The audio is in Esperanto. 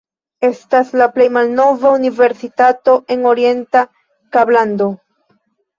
Estas la plej malnova universitato en Orienta Kablando.